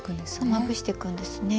まぶしていくんですね。